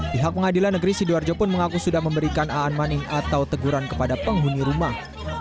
pihak pengadilan negeri sidoarjo pun mengaku sudah memberikan aan moning atau teguran kepada penghuni rumah